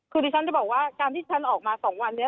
คือที่ฉันจะบอกว่าการที่ฉันออกมา๒วันนี้